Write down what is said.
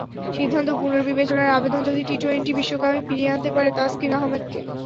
সিদ্ধান্ত পুনর্বিবেচনার আবেদন যদি টি-টোয়েন্টি বিশ্বকাপে ফিরিয়ে আনতে পারে তাসকিন আহমেদকে।